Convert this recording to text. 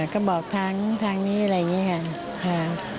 ก็บอกทางนี้อะไรอย่างนี้ค่ะ